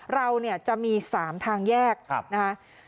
เราจะมี๓ทางแยกนะคะ